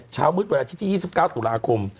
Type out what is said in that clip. เช้ามืดวันอาทิตย์ที่๒๙ตุลาคม